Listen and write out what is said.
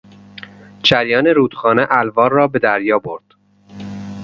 جریان رودخانه الوار را به دریا برد.